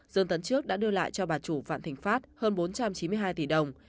dương tấn trước đã đưa lại cho bà chủ phạm thịnh phát hơn bốn trăm chín mươi hai tỷ đồng